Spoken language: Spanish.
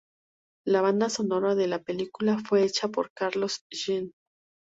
La banda sonora de la película fue hecha por Carlos Jean.